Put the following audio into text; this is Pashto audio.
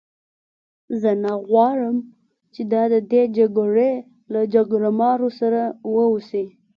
زه نه غواړم چې دا د دې جګړې له جګړه مارو سره وه اوسي.